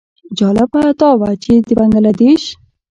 جالبه دا وه چې د بنګله دېش.